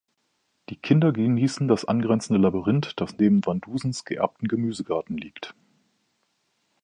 Die Kinder genießen das angrenzende Labyrinth, das neben Vandusens geerbten Gemüsegarten liegt.